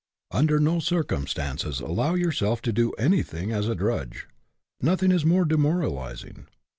Under no circumstances allow yourself to do anything as a drudge. Nothing is more demoralizing.